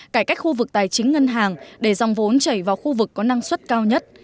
cải cách khu vực tài chính ngân hàng để dòng vốn chảy vào khu vực có năng suất cao nhất